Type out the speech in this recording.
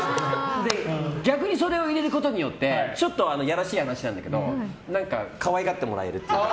逆にそれを入れることによってちょっといやらしい話だけど可愛がってもらえるというか。